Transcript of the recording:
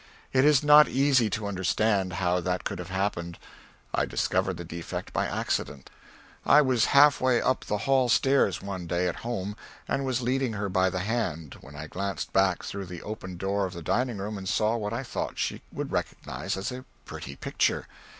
It is not easy to understand how that could have happened. I discovered the defect by accident. I was half way up the hall stairs one day at home, and was leading her by the hand, when I glanced back through the open door of the dining room and saw what I thought she would recognise as a pretty picture.